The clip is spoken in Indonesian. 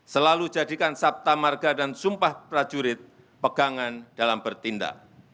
selalu jadikan saptamarga dan sumpah prajurit pegangan dalam bertindak